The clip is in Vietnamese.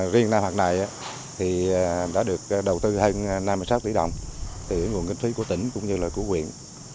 riêng năm học này thì đã được đầu tư hơn năm mươi sáu tỷ đồng từ nguồn kinh phí của tỉnh cũng như là của quyện